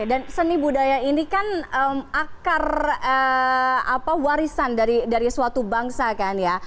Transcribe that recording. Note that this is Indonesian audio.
jadi seni budaya ini kan akar warisan dari suatu bangsa kan ya